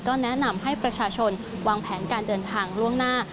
แนะนำให้ประชาชนวางแผนการเดินทางล่วงหน้า